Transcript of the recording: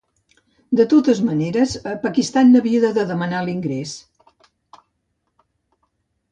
De totes maneres, Pakistan n'havia de demanar l'ingrés.